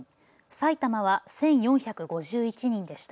埼玉は１４５１人でした。